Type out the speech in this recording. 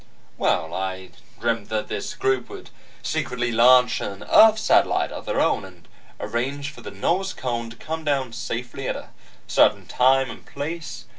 "Well, I dreamt that this group would secretly launch an earth satellite of their own, and arrange for the nose cone to come down safely at a certain time and place.